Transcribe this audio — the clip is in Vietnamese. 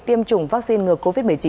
tiêm chủng vaccine ngừa covid một mươi chín